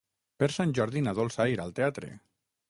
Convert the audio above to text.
Per Sant Jordi na Dolça irà al teatre.